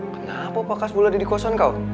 kenapa pak hasbul ada di kosan kau